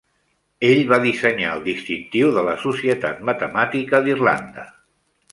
Ell va dissenyar el distintiu de la societat matemàtica d'Irlanda.